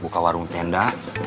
buka warung tenda